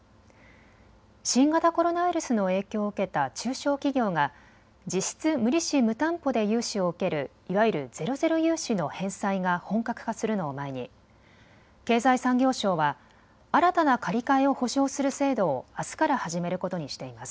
新型コロナウイルスの影響を受けた中小企業が実質無利子・無担保で融資を受けるいわゆるゼロゼロ融資の返済が本格化するのを前に経済産業省は新たな借り換えを保証する制度を、あすから始めることにしています。